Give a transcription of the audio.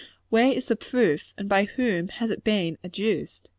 Where is the proof, and by whom has it been adduced?